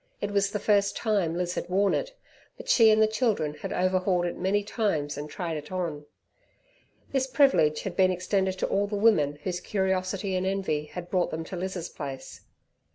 It was the first tune Liz had worn it, but she and the children had overhauled it many times and tried it on. This privilege had been extended to all the women whose curiosity and envy had brought them to Liz's place.